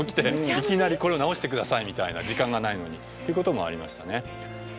いきなり「これを直して下さい」みたいな時間がないのにということもありましたね。